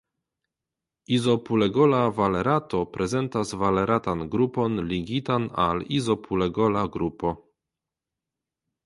Izopulegola valerato prezentas valeratan grupon ligitan al izopulegola grupo.